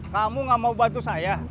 kamu gak mau bantu saya